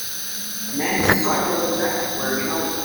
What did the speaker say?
A man in a bright yellow jacket is wearing a helmet.